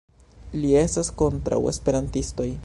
Li estas kontraŭ esperantistoj